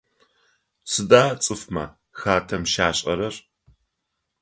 Сыда цӏыфмэ хатэм щашӏэрэр?